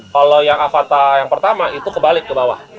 kalau yang avata yang pertama itu kebalik ke bawah